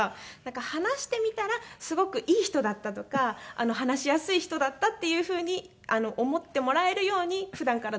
話してみたらすごくいい人だったとか話しやすい人だったっていうふうに思ってもらえるように普段から努力はしております。